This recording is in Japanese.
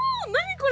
これ。